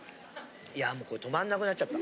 いやもうこれ止まんなくなっちゃった。